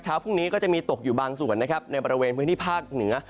พรุ่งนี้ก็จะมีตกอยู่บางส่วนนะครับในบริเวณพื้นที่ภาคเหนือ